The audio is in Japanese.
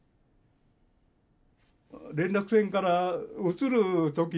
連絡船から移る時にね